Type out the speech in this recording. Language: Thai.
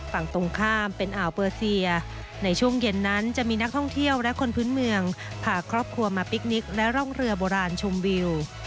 ฝั่งตรงข้ามเป็นอ่าวเปอร์เซียในช่วงเย็นนั้นจะมีนักท่องเที่ยวและคนพื้นเมืองพาครอบครัวมาปิ๊กนิกและร่องเรือโบราณชมวิว